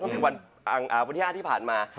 ต้องเป็นวันที่๕วันที่ผ่านมา